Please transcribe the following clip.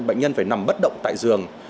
bệnh nhân phải nằm bất động tại giường